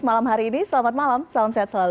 malam hari ini selamat malam salam sehat selalu